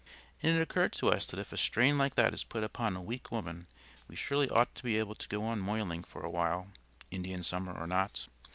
And it occurred to us that if a strain like that is put upon a weak woman we surely ought to be able to go on moiling for a while, Indian summer or not.